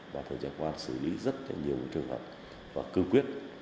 và thường trực huyện xử lý rất nhiều trường hợp và cư quyết